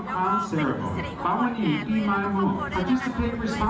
แล้วก็เป็นพิษฐรีปุ่นแห่งโดยเรียนรับครอบครัวด้วยทั้งหมดใช่ไหมคะ